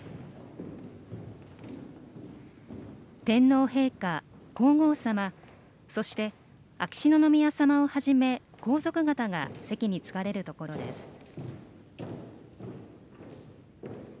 天皇陛下、皇后さまそして、秋篠宮さまをはじめ皇族方が席に着かれるところです。